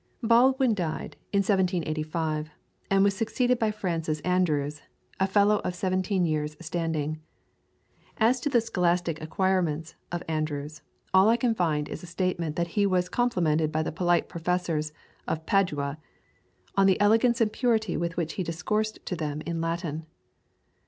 Baldwin died in 1785, and was succeeded by Francis Andrews, a Fellow of seventeen years' standing. As to the scholastic acquirements of Andrews, all I can find is a statement that he was complimented by the polite Professors of Padua on the elegance and purity with which he discoursed to them in Latin.